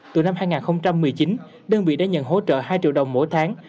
từ năm hai nghìn một mươi chín đơn vị đã nhận hỗ trợ hai triệu đồng mỗi tháng